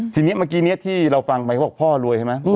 ทีนี้เมื่อกี้นี้ที่เราฟังไปเขาบอกพ่อรวยใช่ไหม